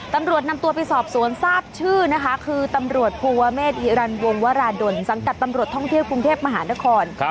ตำรวจนำตัวไปสอบสวนทราบชื่อนะคะคือตำรวจภูวะเมฆฮิรันวงวราดลสังกัดตำรวจท่องเที่ยวกรุงเทพมหานคร